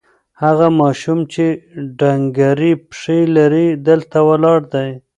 هغه ماشوم چې ډنګرې پښې لري، دلته ولاړ دی.